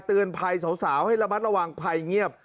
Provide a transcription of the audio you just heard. เตือนภัยสาวให้ระมัดระวังภัยเงียบ